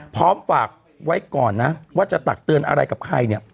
พร้อมฝากไว้ก่อนนะว่าจะตักเตือนอะไรกับใครเนี่ย